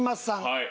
はい。